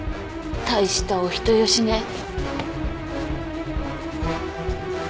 大したお人よしね。